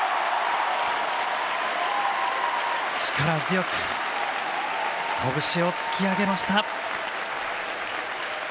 力強く拳を突き上げました。